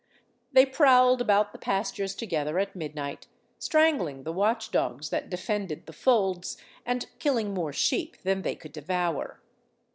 They prowled about the pastures together at midnight, strangling the watch dogs that defended the folds, and killing more sheep than they could devour.